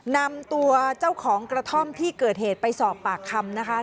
นำตัวเจ้าของกระท่อมที่เกิดเหตุไปสอบปากคำนะคะ